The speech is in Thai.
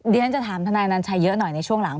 เดี๋ยวฉันจะถามทนายนันชัยเยอะหน่อยในช่วงหลัง